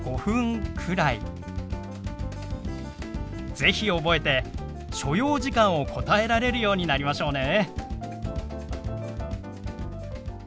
是非覚えて所要時間を答えられるようになりましょうね。